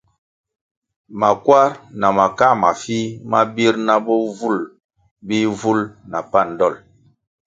Makwar na makā mafih ma bir na bovulʼ bihvul na pan dol.